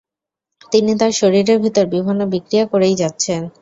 তিনি তার শরীরের ভিতর বিভিন্ন বিক্রিয়া করেই যাচ্ছেন।